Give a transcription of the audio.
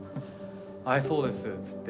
「はいそうです」っつって。